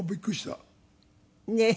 ねえ。